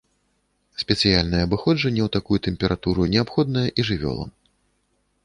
Спецыяльнае абыходжанне ў такую тэмпературу неабходнае і жывёлам.